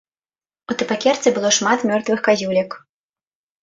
У табакерцы было шмат мёртвых казюлек.